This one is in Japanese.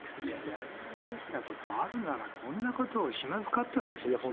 やり残したことあるなら、こんなことをしますかって話ですよ。